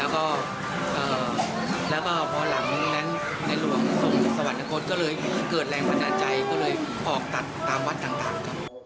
ก็เลยต่อไปตัดตามวัดต่าง